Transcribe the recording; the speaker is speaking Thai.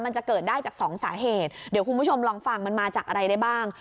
มันจะเกิดได้จากสองสาเหตุเดี๋ยวคุณผู้ชมลองฟังมันมาจากอะไรได้บ้าง